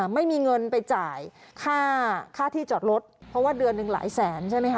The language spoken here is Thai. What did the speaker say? ไม่มีเงินไปจ่ายค่าที่จอดรถเพราะว่าเดือนหนึ่งหลายแสนใช่ไหมคะ